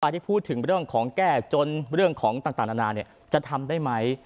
ที่พูดถึงเรื่องของแก้จนเรื่องของต่างนานาจะทำได้ไหม